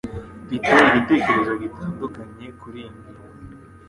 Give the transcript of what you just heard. Mfite igitekerezo gitandukanye kuriyi ngingo.